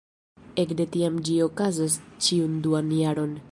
Ekde tiam ĝi okazas ĉiun duan jaron.